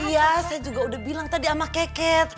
iya saya juga udah bilang tadi sama keket